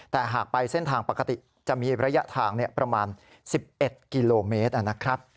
แต่หากไปเส้นทางปกติจะมีระยะทางประมาณ๑๑กิโลเมตรนะครับ